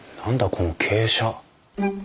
この傾斜。